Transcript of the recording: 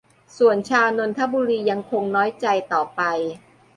ส่วนชาวนนทบุรียังคงน้อยใจต่อไป